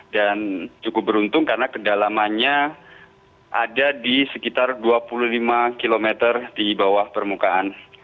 dan cukup beruntung karena kedalamannya ada di sekitar dua puluh lima km di bawah permukaan